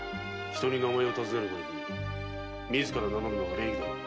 人に名を尋ねる時自ら名乗るのが礼儀だ。